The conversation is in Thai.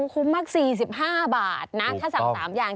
คุ้มมาก๔๕บาทนะถ้าสั่ง๓อย่าง